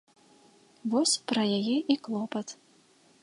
Вось пра яе і клопат.